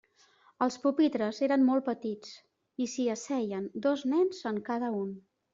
Els pupitres eren molt petits, i s'hi asseien dos nens en cada un.